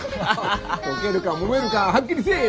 溶けるか漏れるかはっきりせい！